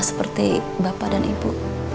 seperti bapak dan ibu